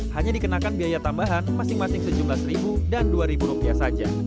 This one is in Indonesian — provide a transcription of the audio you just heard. hanya dikenakan biaya tambahan masing masing sejumlah rp satu dan rp dua saja